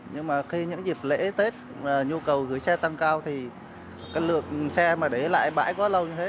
nhưng mà khi những dịp lễ tết nhu cầu gửi xe tăng cao thì cái lượng xe mà để lại bãi quá lâu như thế